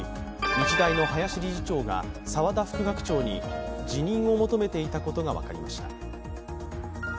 日大の林理事長が、沢田副学長に辞任を求めていたことが分かりました。